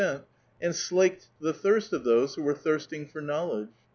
tent, and slakeil the thirst of those who were thirsting for knowledge.